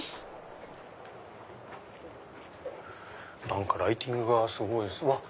何かライティングがすごいです。